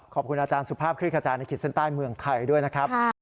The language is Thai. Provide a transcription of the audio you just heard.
ขอบคุณอาจารย์สุภาพคลิกขจายในขีดเส้นใต้เมืองไทยด้วยนะครับ